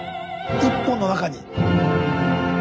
一本の中に。